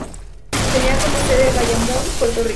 Tenía como sede Bayamón, Puerto Rico.